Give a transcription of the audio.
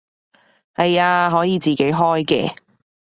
係啊，可以自己開嘅